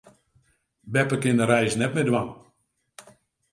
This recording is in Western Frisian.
Beppe kin de reis net mear dwaan.